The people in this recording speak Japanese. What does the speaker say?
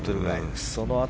そのあと